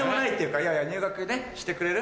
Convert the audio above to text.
いやいや入学ねしてくれる？